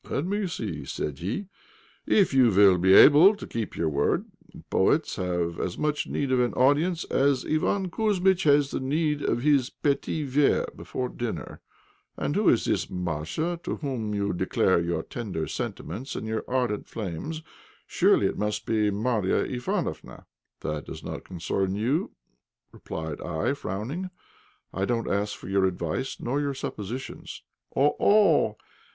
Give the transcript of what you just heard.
"Let us see," said he, "if you will be able to keep your word; poets have as much need of an audience as Iván Kouzmitch has need of his 'petit verre' before dinner. And who is this Masha to whom you declare your tender sentiments and your ardent flame? Surely it must be Marya Ivánofna?" "That does not concern you," replied I, frowning; "I don't ask for your advice nor your suppositions." "Oh! oh!